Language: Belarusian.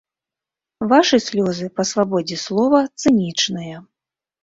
Вашы слёзы па свабодзе слова цынічныя.